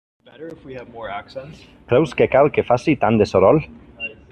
Creus que cal que faci tant de soroll?